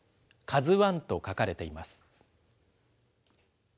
ＫＡＺＵＩと書かれています。